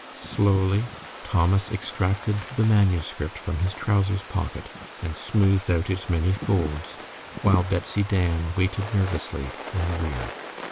Slowly Thomas extracted the manuscript from his trousers pocket, and smoothed out its many folds, while Betsy Dan waited nervously in the rear.